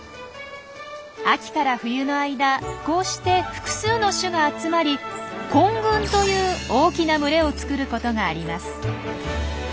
秋から冬の間こうして複数の種が集まり「混群」という大きな群れを作ることがあります。